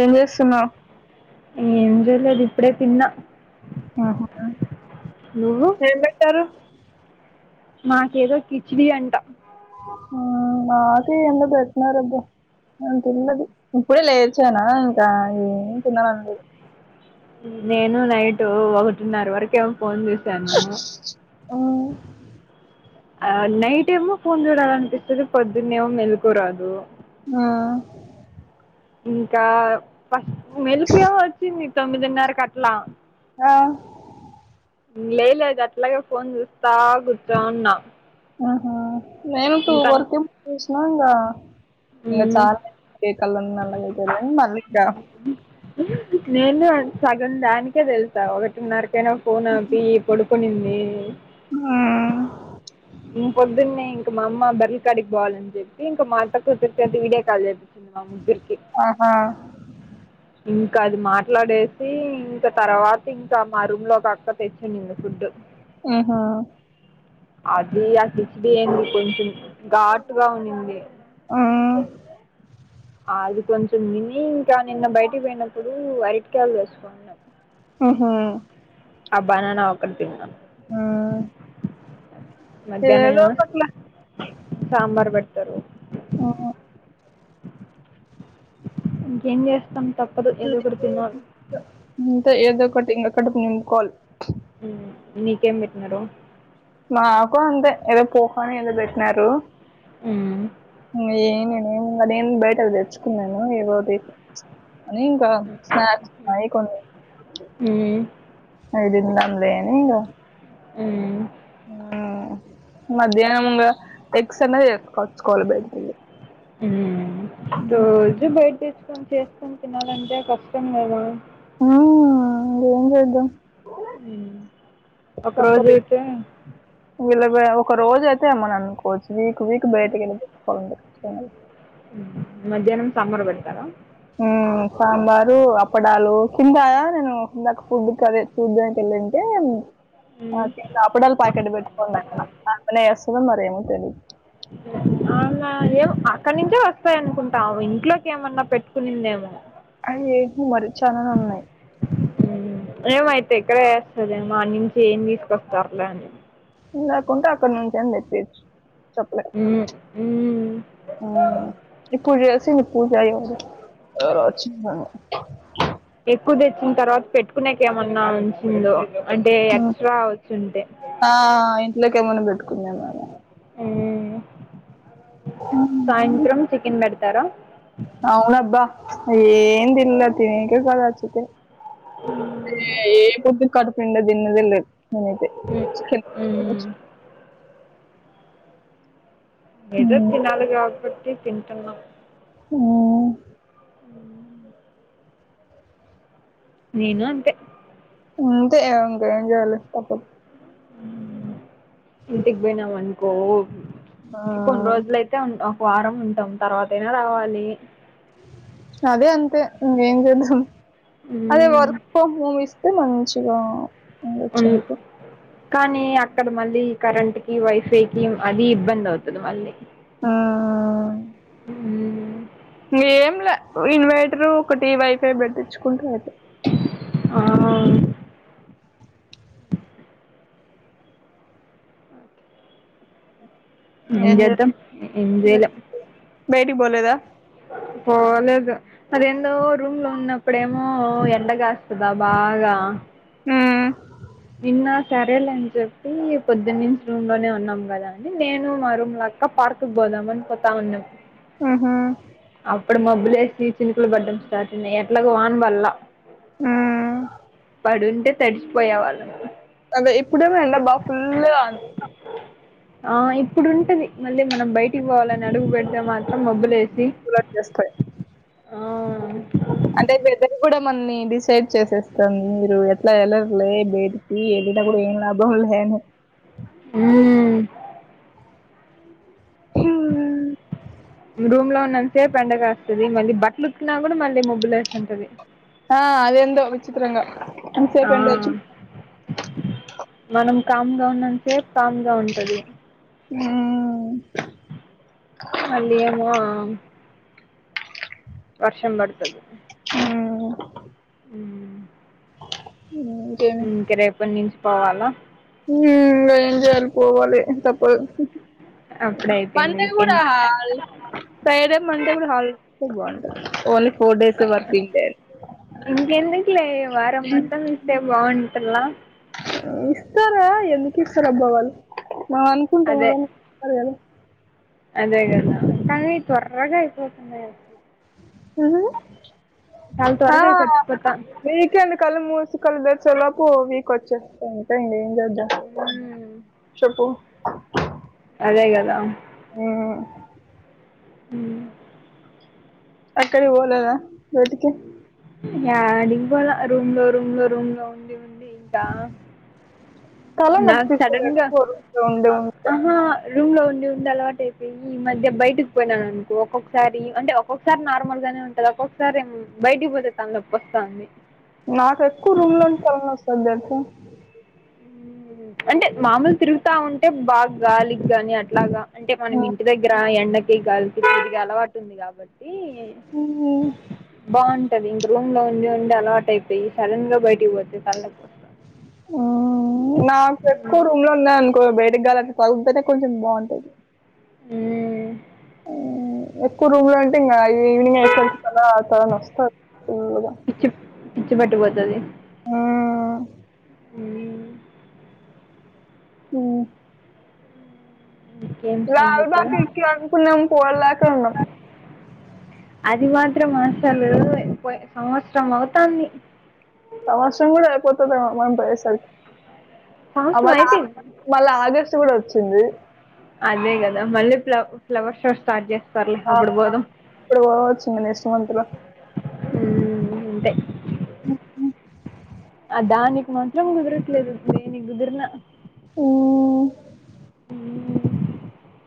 ఏం చేస్తున్నావ్ ఎం చేయలేదు ఇప్పుడే తిన్న ఆహా నువ్వు ఎం [unintelligible] మాకేదో కిచిడీ అంట నాకి ఎందొ పెట్నారు [unintelligible] అ [unintelligible] ఇప్పుడే లేచానా ఇంకా ఏం తినాలని ఉండదు నేను నైటు ఒకటిన్నర వరకేం ఫోన్ చేసాను ఆ నైట్ ఏమో ఫోన్ చూడాలనిపిస్తది పొద్దున్నేమో మెలుకువా రాదు ఆ ఇంకా ఫస్ట్ [unintelligible] ఏ వచ్చింది తొమ్మిదిన్నరకి అట్ల ఆ లై లేదు అట్లాగే ఫోన్ చూస్త కూర్చొన్న ఆహ నేను ఇప్పుడు వర్కింపు చూసిన ఇంకా ఇంకా ఉమ్, చాల [unintelligible] నేను సగమ్ దానికే తెలుసా ఒకటిన్నరకైనా ఫోన్ ఆపి పడుకునింది ఆ ఇం పొద్దున్నే ఇంక మా అమ్ బర్రలికాడికి పోవాలని చెప్పి ఇంకా మా అంత కూచ్చేతే వీడియో కాల్ చే మ ముగ్గురకి ఆహా ఇంకా అది మాట్లాడేసి ఇంక తర్వాత ఇంక మా రూమ్ లో ఒక అక్క తెచ్చినింది ఫుడ్ ఆహా అది [unintelligible] ఏంటి కొంచెం ఘాటుగా ఉండింది ఆ అది కొంచెం తిని ఇంకా నిన్న బయటికి పోయినప్పుడు అరటికాయలు వేసుకోంది ఆహా ఆ బనానా ఒకటి తిన్నాను ఆ ఏదో మధ్యాహ్నం ఒకట్లా సాంబార్ పెడతారు ఓ ఇంకేం చేస్తాం తప్పదు ఎదో ఒకటి తినాల్ ఇంతే ఏదో ఒకట్ కడుపు నింపుకోవాలి. హ్మ్మ్ మీకేం పెట్టినారు. మాకు అంతే ఏదో పోహానో ఏదో పెట్టినారు ఏమ్ నేను బయటది తెచ్చుకున్నాను ఏవోది అని ఇ స్నాక్స్ ఉన్నాయి కొన్ని అయి తిందాం లే అని ఉమ్ హ మధ్యాహ్నంగా ఇంకా ఎక్స్ అన్న కొనుక్కు తెచ్చుకోవాలి బయటకి వెళ్ళి ఉమ్ రోజు బయట తెచ్చుకొని చేసుకొని తినాలంటే కష్టం కదా ఆ మల్లా ఏం చేద్దాం ఒక రోజు అయితే వీళ్ళకి ఒక రోజు అయితే అమ్ అనుకోవచ్చు వీక్ వీక్ బయటకి వెల్లి తెచ్చుకోవాల మధ్యాహ్నం సాంబార్ పెడతారా ఉమ్ సాంబారు అప్పడాలు కిందా నేను ఇందాక ఫుడ్ కి అదే ఉమ్. [unintelligible] కే అప్పుడలా పాకెట్ పెట్టుకోం అమ్మా అనే వస్తుందని మరేమో తెలిదు అవునా ఏం అక్కడి నుంచే వస్తాయి అనుకుంటాము ఇంట్లోకి ఏమన్నా పెట్టుకునిందేమో అవు అ ఏ మరి చఛాలనన్నాయి ఏమో అయితే ఇక్కడ చేస్తదీ ఏమో ఆడ నుంచి ఏమి తీసుకొస్తారులే అని లేకుంటే అక్కడ నుంచి అయినా తెచ్చేయొచ్చు చెప్పలేం ఉమ్ ఇప్పుడు చేసిన పూజ అయింది ఎక్కువ తెచ్చిన తర్వాత పెట్టుకునేక ఏమన్నా ఉంచిందో అంటే హ్మ్. ఎక్స్ట్రా వచ్చుంటే ఆ! ఇంట్లోకేమన్నా పెట్టుకుందేమోలే. ఉమ్ సాయంత్రం చికెన్ పెడతారా అవునబ్బా అయ్యే ఏం తినలే తినేకేగా వచ్చింది ఏ ఫుడ్ కడుపునిండా తిన్నదేలే నేనయిత ఉమ్, ఉమ్. ఏదో హ్మ్ తినాలి కాబట్టి తింటున్నాం ఉమ్ అ నేను అంతే అంతే ఇంకేం చేయాలి తప్పదు ఇంటికి పోయినాం అనుకో ఆ కొన్ని రోజులయితే అయితే ఒక వారం ఉంటాం తర్వాతయినా రావాలి అది అంతే ఇంకేం చేద్దాం ఉమ్ అదే వర్క్ ఫ్రమ్ హోమ్ ఇస్తే మంచిగా ఉండొచ్చు వున్ అనుకో కానీ అక్కడ మళ్ళీ కరెంట్ కి వైఫై కి అది ఇబ్బంది అవుతది మళ్ళీ ఆ ఉమ్, ఆ ఏమ్ లే ఇన్వైటర్ ఒకటి వైఫై పెట్టించుకుంటే అయి ఆ ఏం చేయద్దాం ఏం చేయలేం బయటికి పోలేదా పోలేదు అదేందో రూమ్ లో ఉన్నప్పుడేమో ఎండ కాస్తుదా బాగా ఆ నిన్న సరేలే అని చెప్పి పొద్దు నించి రూమ్ లోనే ఉన్నాం కదా అని నేను మా రూమ్ లో అ క్క పార్కుకు పోదామని, పోతా ఉన్నాం మ్మ్ హ్మ్ అప్పుడు మబ్బులేేసి చినుకులు పడ్డం స్టార్ట్ అయినాయి ఎట్లాగో వాన్ పల్ల హ్మ్ పడుంటే తడిచిపోయే వాళ్ళం అదే ఇప్పుడేమో ఎండ బా ఫుల్లు గా ఉంది ఆ ఇప్పుడుంటది మళ్ళీ మనం బయటికి పోవాలని అడుగు పెడితే మాత్రం మబ్బులేసి ఎస్తాయి ఆ అంటే వెదరు కూడా మని డిసైడ్ చేసేస్తుంది మీరు ఎట్లా వెళ్లరులే బే మీరెళ్లిన కూడా ఏన్ లాభంల్ళేను మ్మ్ రూమ్ లో ఉన్నన్ సేపు ఎండగాస్తది మళ్ళీ బట్టలు ఉకినా కూడా మళ్ళీ ముబ్బుల వేసి ఉంటది ఆ అదెందో విచిత్రంగా ఆ అన్సేపెండొచ్చి మనం కామ్ గా ఉన్నంత సేపు కామ్ గా ఉంటది మ్మ్ మల్లి ఏమో వర్షం పడుతది మ్మ్ అ అ ఇంక రేపటి నుంచి పోవాలా మ్మ్ ఏం చేయాలి పోవాలి తప్పదు అప్పుడే అయిపోయింది బందే వీకెండ్ కూడాల్ ఫ్రైడే మండే కూడ హాలిడే ఇస్తే బాగుంటది only four days working day ఇంకెందుకులే వారం మొత్తం ఇస్తే బాగుంటలా ఇస్తారా ఎందుకు ఇస్తారబ్బా వాళ్ళు నవ అనుకుంటానే కానీ ఇస్తారు కదా కాని తొర్రగాయిపోతున్నాయి ఉహు. చాలా త్వరగా గడిచిపోతంది ఇంకేంది కళ్ళు మూసు కళ్ళు తెచేలోపు వీక్ వచ్చేస్తాంటే ఇంకేం చేద్దాం మ్మ్. చెప్పు అదే కదా మ్మ్ మ్మ్ ఎక్కడికి బోలేద బయటికి యాగిండోల రూమ్ లో రూమ్ లో రూమ్ లో ఉండి ఉండి ఇంకా నాకు తలనొప్పిస్తాది సడన్ గా ఎక్కువ రూమ్లో ఉండి ఉన్ ఆహా రూమ్ లో ఉండి ఉండి అలవాట అయిపోయి ఈ మధ్య బయటకు పోయినానునుకో ఒక్కొక్కసారి అంటే ఒకసారి నార్మల్ గానే ఉంటది ఒక్కొక్కసారి బయటికి పోతే తలనొప్పి వస్తంది నాకు ఎక్కువ రూమ్లో ఉంటే తలనస్తాది తెలుసా అంటే మాములు తిరుగుతా ఉంటే బాగా గాలికిగాని అట్లాగా అంటే మనం ఇంటి దగ్గర ఎండకి కలిపి తిరిగే అలవాటు ఉంది కాబట్టి ఉ బాగుంటది రూమ్ లో ఉండి ఉండి అలాట్ అయిపోయి సడన్ గా బయటికి పోతే తలనొప్పి వస్తాంది నా చెకు రూమ్ లో ఉంద అకో ఎండాకాలం తగులుతనె కొంచెం బాగుంటుది ఉహు ఎక్కువ రూమ్ అంటే ఇంకా ఈవినింగ్ అయ్యేసరికి చాలా తలనొస్తది ఫుల్లుగా పిచ్చి పిచ్చి పట్టిపోతది ఆ ఉ ఉ ఇంకేం లాల్ సంగతులు బకెట్ కు అనుకున్న పోలేకపోయాము అది మాత్రం ఆసలు సంవత్సరం అవుతంది సంవత్సరం కూడా అయిపోతది ఏమో మనం పోయేసరికి సంవత్సరం ఆవలే అయిపోయింది మళ్ళా ఆగస్టు కూడా వచ్చింది అదే కదా మళ్ళీ ఫ్ల ఫ్లవర్ షో స్టార్ట్ చేస్త శ్రావణంలో అప్పుడు పోవచ్చు నెక్స్ట్ మంత్ లో ఉ అంటే ఆ దానికి మాత్రం కుదరట్లేదు దేనికి కుదిరిన ఉ ఉ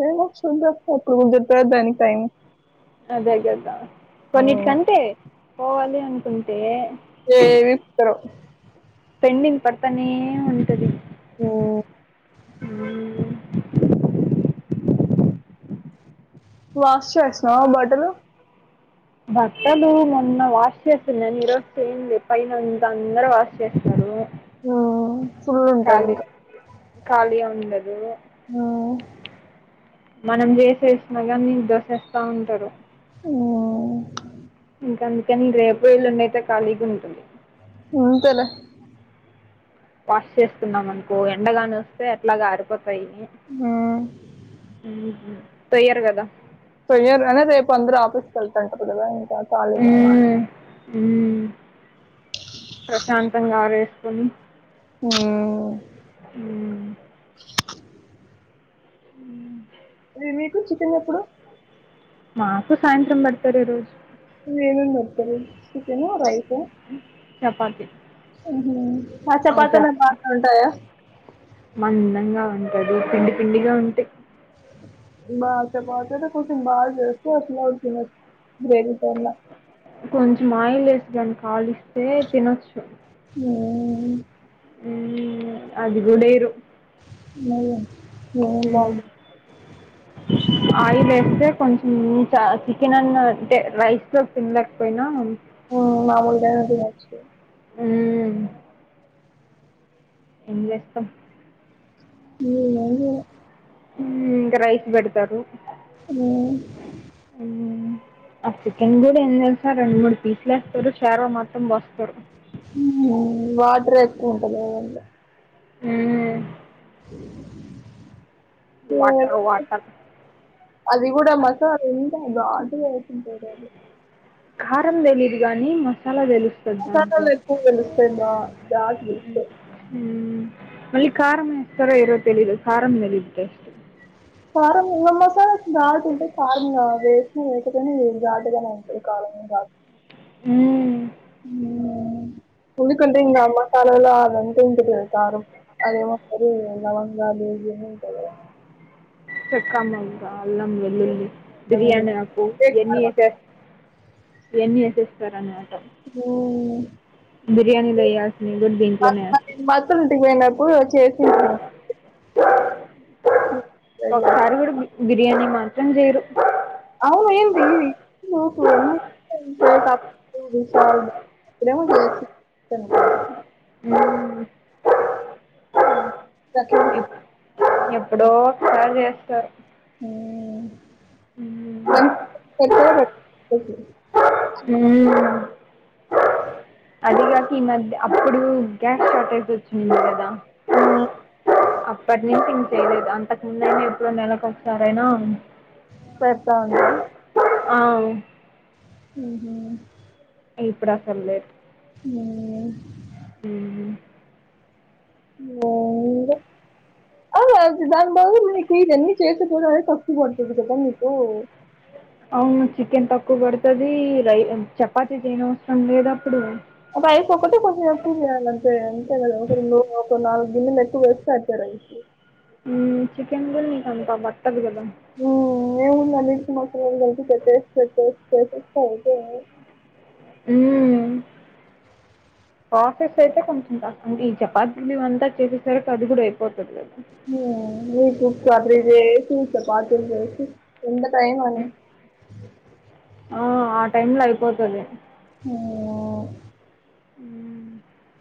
ఏ చూద్దాం దానికి ఎప్పుడు టైం కుదురుతదో అదే కదా కొన్నిటికంటే పోవాలి అనుకుంటే ఏమీ విప్పుతారో పెండింగ్ పడతనే ఉంటది ఉ వాష్ చేసావా బట్టలు బట్టలు మొన్న వాష్ చేస్తున్నాను ఈరోజు చెయ్యట్లేదు పైనంత అందరు వాష్ చేస్తారు ఉ ఫుల్లు ఉంటారు ఇంకా ఖాళీగా ఉండదు ఉ మనం చేసేసిన కానీ నీకు దోసేస్తా ఉంటారు ఉ ఇంకా అందుకని రేపు ఇల్లుండియితే ఖాళీగా ఉంటుంది ఉంటలే వాష్ చేస్తున్నాం అనుకో ఎండగానే వస్తే ఎట్లాగా ఆరిపోతుంది ఉమ్, పై తోయ్యారు కదా తోయ్యరు కానీ రేపు అందరూ ఆఫీస్ కి వెళ్తారు కద ఇంకా ఖాళీగా ఉ ప్రశాంతంగా ఆరేసుకొని ఉ ఉ ఉ మరి మీకు చికెన్ ఎప్పుడు మాకు సాయంత్రం పడతారు ఈ రోజు [unintelligible] నువేనం నతువ సేను రైసు చపాతి [unintelligible] ఆ అచప్పత మ బా చపా సడాయా మందంగా ఉంటది పిండి పిండిగా ఉంటే [unintelligible] మాతే బతే కొ బాగా చేస్తకు అసలు ఉతుిన బేవ పలా కొంచెం ఆయిల్ వేసి గాని కాలిస్తే తినొచ్చు ఆ ఉం అది గూడ వేయరు హమ్ ఉం ఆయిల్ వేస్తే కొంచెం చ చికెన్ అన్ అంటే రైస్ లో తినలేకపోయినా ఉం మాముూలుగా అయిన తినవచ్చు ఉం ఎం చేస్తాం ఉం అవును ఉం ఇంకా రైస్ పేడతాను ఆ ఉమ్ ఆ చికన్ కూడా ఎంత రెండు మూడు పీసులు వేస్తారు చారువ మాత్రం పోస్తారు ఉం వాటర్ ఎక్కువ ఉంటధి దాంట్లో ఉమ్ వాటర్ వాటర్ [unintelligible] అది కూడా మసాలా ఉంట ఘాటుగా వేసింటాడు అది కారం తెలీయదు గానీ మసాలా తెలుసు మసాలాలు ఎక్కువ తెలుస్తాయి గా గాటు ఉమ్ మళ్ళీ కారం వేస్తారో వెయ్యరో తెలిదు కారం తెలీదు కారంమి మసాల నాాలు ఉంట కారంమ ఆదు [unintelligible] వేటిని వీ కాదుగా అంలు కావాల [unintelligible] ఉం అ [inaudible] ఉడకలేదు ఇక మసాలాలు అదంటే ఇంటి కారం [unintelligible] అదే ఒక్కసారి లవంగాలు ఉంట [unintelligible] చెక్క మొగ్గ అల్లం వెల్లుల్లి లవంగాలు బిర్యానీ ఆకు ఇవే ఇఎన్ని కారం వేసే ఈవన్ని వేసేస్తారాన మాట ఉమ్ బిర్యానీలో వేయ్యల్సిని కూడా దీంట్లోనే వే మత్తంటికి పోయిినప్పు వ చేేసి [unintelligible] ఒకసారి కూడా బి బిర్యానీ మాత్రం చేయరు అవు ఏకు [unintelligible] విశల్ [unintelligible] ఇ చే త [unintelligible] ఉమ్ గట్లనే ఎప్- ఎప్పుడో ఒకసారి చేస్తారు ఎ మ్మ్. [unintelligible] ఉం అదిగాక ఈ మధ్య అప్పుడు గ్యాస్ షార్టేజ్ వచ్చింది ఆ అప్పటి నుంచి ఏం చేయలేదా ఇంకా ఉన్నాయని చెప్పి నెలకు ఒకసారైనా పెద్తంద ఆవ్ హ్మ ఇప్పుడు అసలు లేదు హ్మ హ్మ [unintelligible] అవు అ దాని బా మీకు ఇద న చేసపో అ సక్తి పతుది కదా మీీకు [inaudible] అవును చికెన్ తక్కువ పడుతది రై చపాతీ చేయని వసరం లేద అప్పుడు అప్పు అయిక ఒకటటి కొంచెం ఎక్కువ చే అంతే అంతే ఒక రెండు ఒక నాలుగు గిన్నలు ఎక్కువ వేస్తే ర [inaudible] హ్మ చికెన్లో నీకు అంత పట్టదు కదా నేవున్నా నిట్ మక్కతే టస్ ఇ [inaudible] హ్మ ప్రాసెస్ అయితే కొంచెం కాష్టం ఈ చపాతి మవ అంతా చేసేసార అది కూడా అయిపోతది కదా హ్మ వీక్ వీక్ కర్రీ చేసి చపాతీ చేసి అంత టైమ్ అనే ఆ ఆ టైమ్లో అయిపోతుంది హ్మ హ్మ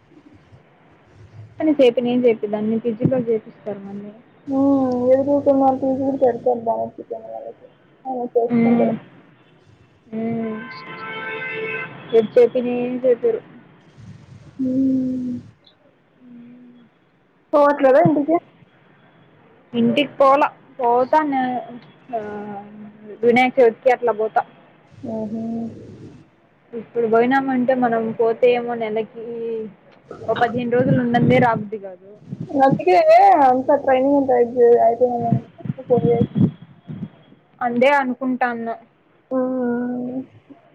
కానీ చెే నేను చెప్పిద్దాన్ని నను ఫిజికల్ చేపిస్తారు మన్నీ ఎదురుూట మా వీ ఎడుా [inaudible] హ్మ [inaudible] హ్మ [inaudible] పోవట్లేదా ఇంటికి ఇంటికి పోలా పోతా వినాయక చవితికి అట్లా పోతా ఉహం ఇప్పుడు పోయినామ అంటే మనం పోతే ఏమో నెలకి ఒ పదిహేను రోజులు సండే రాబుది కాదు నజకి అంత ట్రైనింగ్ అంతయియితే పో [inaudible] సండే ఏపీఎన్కుంటన హ్మ